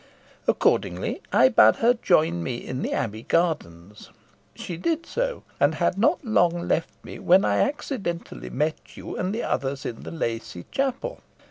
Accordingly I bade her join me in the Abbey gardens. She did so, and had not long left me when I accidentally met you and the others in the Lacy Chapel.